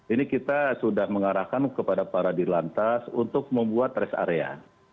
ini kita sudah mengarahkan kepada para di lantas untuk membuat rest area